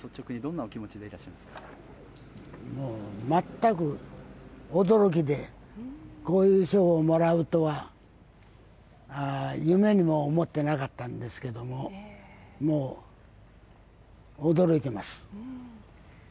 もう、全く驚きで、こういう賞をもらうとは夢にも思っていなかったんですけども、驚いてます。